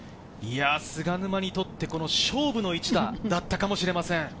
菅沼にとって勝負の一打になったかもしれません。